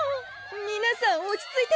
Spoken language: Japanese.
みなさん落ち着いて！